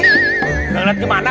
nggak ngeliat kemana